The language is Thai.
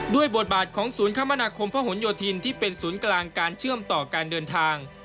บทบาทของศูนย์คมนาคมพระหลโยธินที่เป็นศูนย์กลางการเชื่อมต่อการเดินทาง